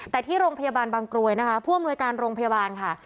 แต่ที่โรงพยาบาลบางกรวยนะคะผู้อำนวยการโรงพยาบาลค่ะ